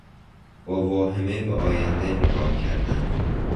با واهمه به آینده نگاه کردن